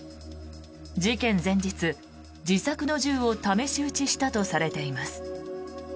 事件前日、自作の銃を試し撃ちしたとされています。